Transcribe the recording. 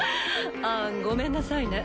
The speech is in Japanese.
ああごめんなさいね。